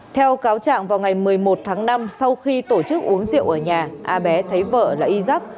theo cáo trạng vào ngày một mươi một tháng năm sau khi tổ chức uống rượu ở nhà a bé thấy vợ là y giáp